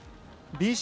ＢＣ